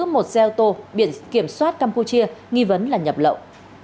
một xe ô tô biển kiểm soát campuchia nghi vấn là nhập lậu